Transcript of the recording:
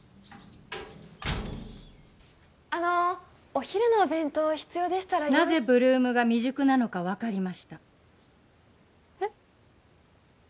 あのお昼のお弁当必要でしたらなぜ８ＬＯＯＭが未熟なのか分かりましたえっ？